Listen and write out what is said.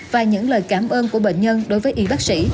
và những lời cảm ơn của bệnh nhân đối với y bác sĩ